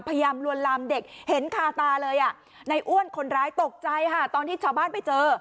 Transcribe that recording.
พยายามลวนลำเด็กเห็นคาตาเลยในอ้วนคนร้ายตกใจตอนที่ชาวบ้านไม่เจอ